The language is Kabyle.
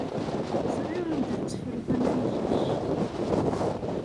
Ẓriɣ anda tetteffreḍ amrig-ik.